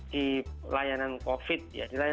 di layanan covid ya